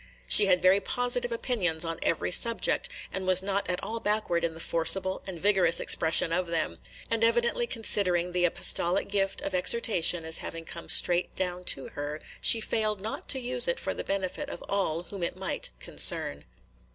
She had very positive opinions on every subject, and was not at all backward in the forcible and vigorous expression of them; and evidently considering the apostolic gift of exhortation as having come straight down to her, she failed not to use it for the benefit of all whom it might concern.